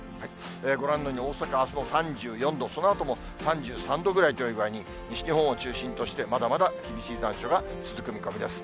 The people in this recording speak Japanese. ご覧のように、大阪あすも３４度、そのあとも３３度ぐらいという具合に、西日本を中心として、まだまだ厳しい残暑が続く見込みです。